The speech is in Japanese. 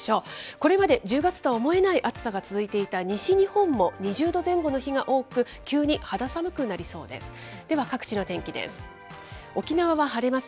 これまで１０月とは思えない暑さが続いていた西日本も２０度前後の日が多く、急に肌寒くなりそうです。